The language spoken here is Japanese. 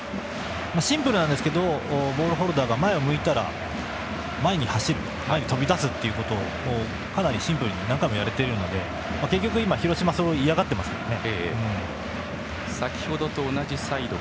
シンプルなんですけどボールホルダーが前を向いたら前に走る、飛び出すということをかなりシンプルに中もやれているので結局、それを広島が嫌がってますよね。